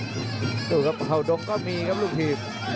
เอี๊ยวครับฮาวดงก็มีครับหลูกผีฟ